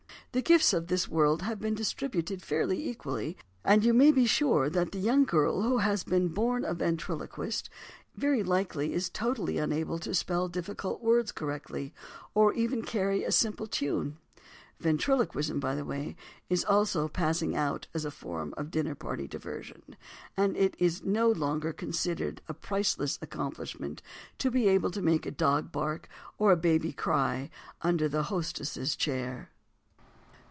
The gifts of this world have been distributed fairly equally, and you may be sure that the young girl who has been born a ventriloquist very likely is totally unable to spell difficult words correctly or carry even a simple tune. Ventriloquism, by the way, is also passing out as a form of dinner party diversion, and it is no longer considered a priceless accomplishment to be able to make a dog bark or a baby cry under the hostess's chair.